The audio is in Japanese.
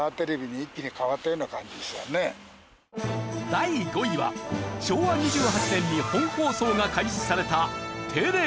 第５位は昭和２８年に本放送が開始されたテレビ。